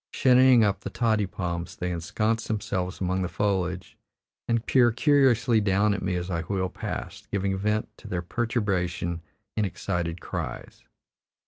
Shinnying up the toddy palms, they ensconce themselves among the foliage and peer curiously down at me as I wheel past, giving vent to their perturbation in excited cries.